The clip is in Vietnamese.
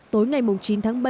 tối ngày chín tháng bảy